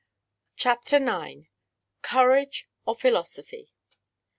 CHAPTER IX COURAGE, OR PHILOSOPHY?